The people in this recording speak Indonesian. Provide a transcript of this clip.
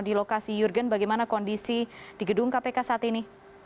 di lokasi jurgen bagaimana kondisi di gedung kpk saat ini